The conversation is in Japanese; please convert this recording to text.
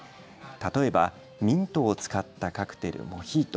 例えばミントを使ったカクテル、モヒート。